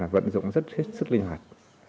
vận dụng rất thiết